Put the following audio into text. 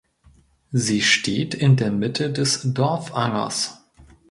Sie steht in der Mitte des Dorfangers.